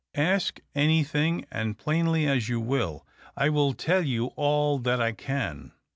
" Ask anything, and plainly as you will. I will tell you all that I can."